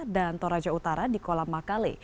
dan toraja utara di kolam makale